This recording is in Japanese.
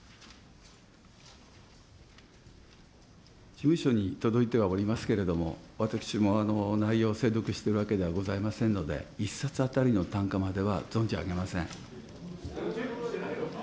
事務所に届いてはおりますけれども、私も内容を精読しているわけではございませんので、１冊当たりの単価までは存じあげません。